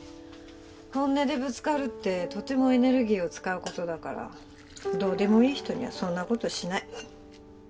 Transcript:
本音でぶつかるってとてもエネルギーを使うことだからどうでもいい人にはそんなことしない。